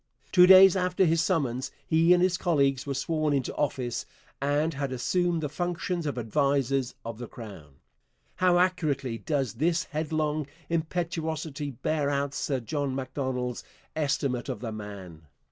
Two days after his summons he and his colleagues were sworn into office and had assumed the functions of advisers of the crown. How accurately does this headlong impetuosity bear out Sir John Macdonald's estimate of the man!